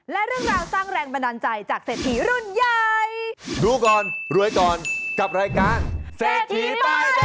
และเรื่องราวสร้างแรงบันดาลใจจากเศรษฐีรุ่นใหญ่ดูก่อนรวยก่อนกับรายการเศรษฐีป้ายแดง